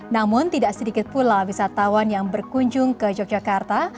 namun tidak sedikit pula wisatawan yang berkunjung ke yogyakarta